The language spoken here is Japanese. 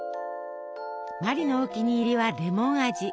茉莉のお気に入りはレモン味。